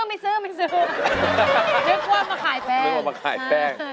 นึกว่ามาขายแป้ง